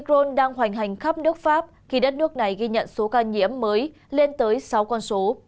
rone đang hoành hành khắp nước pháp khi đất nước này ghi nhận số ca nhiễm mới lên tới sáu con số